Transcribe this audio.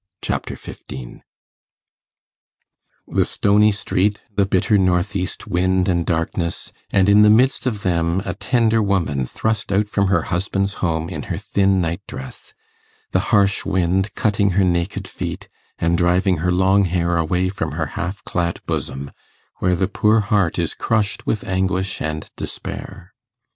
Chapter 15 The stony street, the bitter north east wind and darkness and in the midst of them a tender woman thrust out from her husband's home in her thin night dress, the harsh wind cutting her naked feet, and driving her long hair away from her half clad bosom, where the poor heart is crushed with anguish and despair.